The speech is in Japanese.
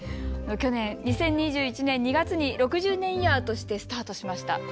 去年２０２１年２月に６０年イヤーとしてスタートしました